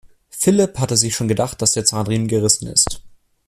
Philipp hatte sich schon gedacht, dass der Zahnriemen gerissen ist.